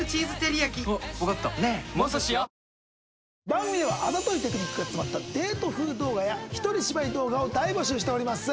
番組ではあざといテクニックが詰まったデート風動画や一人芝居動画を大募集しております。